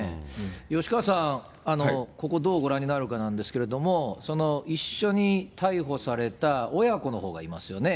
吉川さん、ここ、どうご覧になるかなんですけれども、一緒に逮捕された親子のほうがいますよね。